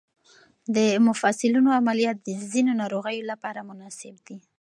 د مفصلونو عملیات د ځینو ناروغانو لپاره مناسب دي.